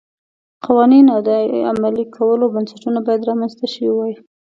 قوانین او د عملي کولو بنسټونه باید رامنځته شوي وای.